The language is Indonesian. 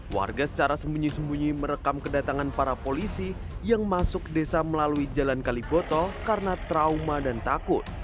warga secara sembunyi sembunyi merekam kedatangan para polisi yang masuk desa melalui jalan kaliboto karena trauma dan takut